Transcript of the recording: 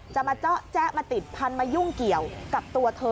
มาเจาะแจ๊มาติดพันธุมายุ่งเกี่ยวกับตัวเธอ